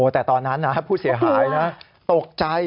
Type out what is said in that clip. แต่ตอนนั้นผู้เสียหายนะตกใจ